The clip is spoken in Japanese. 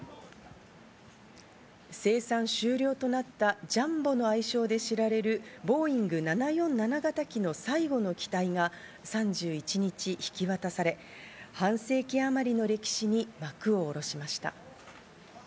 生産終了となったジャンボの愛称で知られるボーイング７４７型機の最後の機体が３１日、引き渡され、半世紀あまりの歴史に幕を下ろしました。